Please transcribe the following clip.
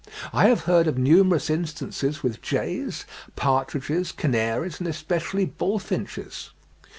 I have heard of numerous instances with jays, partridges, canaries, and especially bullfinches.